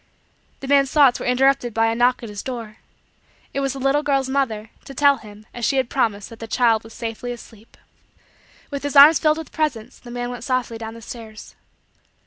The man's thoughts were interrupted by a knock at his door. It was the little girl's mother; to tell him, as she had promised, that the child was safely asleep. With his arms filled with presents, the man went softly down the stairs.